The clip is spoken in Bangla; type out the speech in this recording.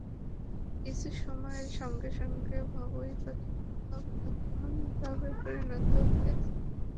কিন্তু সময়ের সঙ্গে সঙ্গে বাবুই পাখির ভাব এখন ডাবে পরিণত হয়েছে।